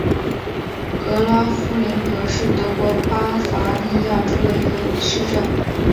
格拉夫林格是德国巴伐利亚州的一个市镇。